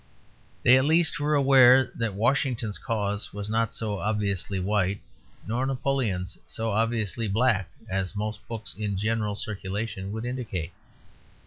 They at least were aware that Washington's cause was not so obviously white nor Napoleon's so obviously black as most books in general circulation would indicate.